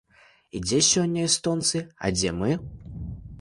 І дзе сёння эстонцы, а дзе мы?